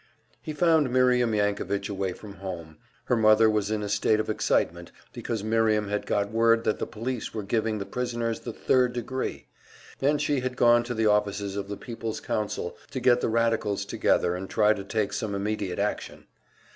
He found Miriam Yankovitch away from home. Her mother was in a state of excitement, because Miriam had got word that the police were giving the prisoners the "third degree," and she had gone to the offices of the Peoples' Council to get the radicals together and try to take some immediate action.